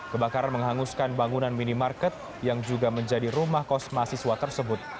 kebakaran menghanguskan bangunan minimarket yang juga menjadi rumah kos mahasiswa tersebut